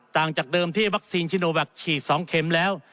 จากเดิมที่วัคซีนชิโนแวคฉีด๒เข็มแล้ว